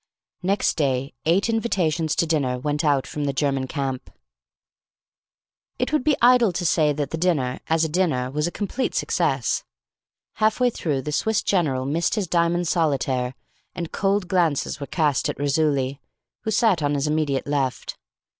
Next day eight invitations to dinner went out from the German camp. It would be idle to say that the dinner, as a dinner, was a complete success. Half way through the Swiss general missed his diamond solitaire, and cold glances were cast at Raisuli, who sat on his immediate left.